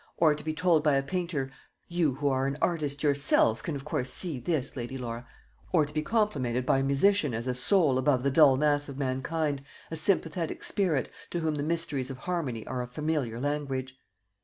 or to be told by a painter, "You who are an artist yourself can of course see this, Lady Laura;" or to be complimented by a musician as a soul above the dull mass of mankind, a sympathetic spirit, to whom the mysteries of harmony are a familiar language.